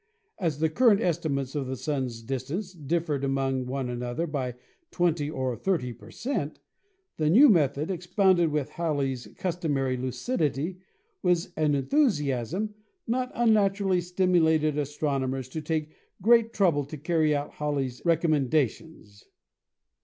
As the current estimates of the Sun's distance differed among one another by 20 or 30 per cent., the new method, expounded with Halley 's customary lucidity and enthusi asm, not unnaturally stimulated astronomers to take great trouble to carry out Halley's recommendations.